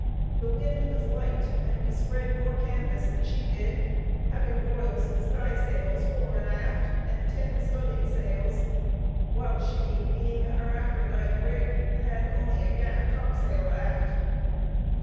The wind was light, and we spread more canvas than she did, having royals and sky sails fore and aft, and ten studding sails, while she, being an hermaphrodite brig, had only a gaff topsail aft.